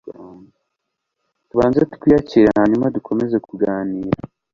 Tubanze twiyakire hanyuma dukomeze kuganira.